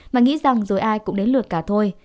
mà nghĩ rằng rồi ai cũng đến lượt cả thôi